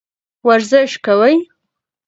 ورزش کوئ.